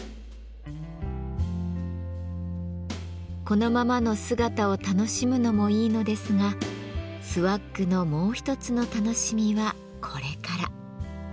このままの姿を楽しむのもいいのですがスワッグのもう一つの楽しみはこれから。